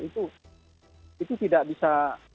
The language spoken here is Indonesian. itu tidak bisa